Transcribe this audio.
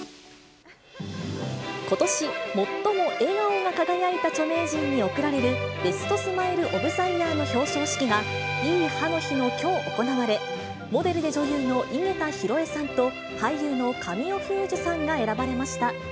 ことし最も笑顔が輝いた著名人に贈られる、ベスト・スマイル・オブ・ザ・イヤーの表彰式が、いい歯の日のきょう、行われ、モデルで女優の井桁弘恵さんと俳優の神尾楓珠さんが選ばれました。